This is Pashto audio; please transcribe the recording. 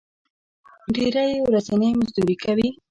ډېری یې ورځنی مزدوري کوي.